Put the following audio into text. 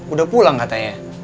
udah pulang katanya